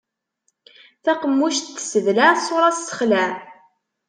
Taqemmuct tesseblaɛ, ṣṣuṛa tessexlaɛ.